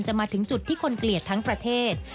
มาถึงจุดที่คนเกลียดทั้งประเทศ